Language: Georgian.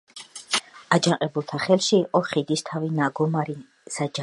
აჯანყებულთა ხელში იყო ხიდისთავი, ნაგომარი, საჯავახო.